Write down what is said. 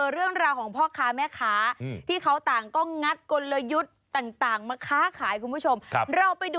เรื่องราวของพ่อคาม่ะค้าที่เขาต่างก็นะกดลยุคต่างมาค้าขายลูกผู้ชมให้เราไปดู